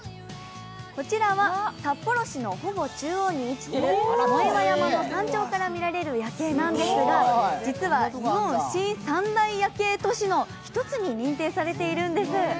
こちらは札幌市のほぼ中央に位置する藻岩山の山頂から見られる夜景なんですが、実は日本三大夜景都市の一つに認定されているんです。